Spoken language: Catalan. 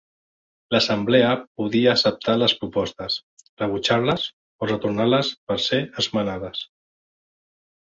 L'assemblea podia acceptar les propostes, rebutjar-les, o retornar-les per ser esmenades.